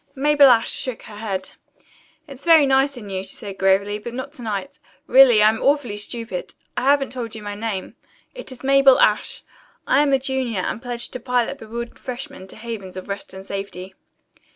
Mabel Ashe shook her head. "It's very nice in you," she said gravely, "but not to night. Really, I am awfully stupid. I haven't told you my name. It is Mabel Ashe. I am a junior and pledged to pilot bewildered freshmen to havens of rest and safety."